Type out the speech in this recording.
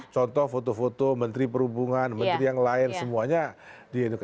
contoh foto foto menteri perhubungan menteri yang lain semuanya di